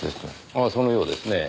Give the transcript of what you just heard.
ああそのようですねぇ。